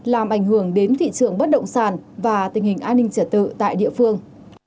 làm ảnh hưởng đến thị trường bất động sản và tình hình an ninh trả tự tại địa phương